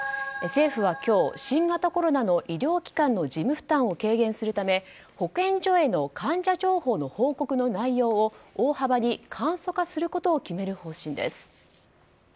政府は今日新型コロナの医療機関の事務負担を軽減するため保健所への患者情報の報告の内容を大幅に簡素化することを決める方針です。